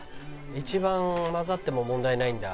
一番混ざっても問題ないんだ。